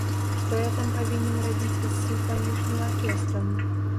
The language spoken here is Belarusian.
Што я там павінен рабіць з сімфанічным аркестрам?